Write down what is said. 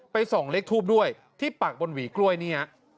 ส่องเลขทูบด้วยที่ปักบนหวีกล้วยเนี่ย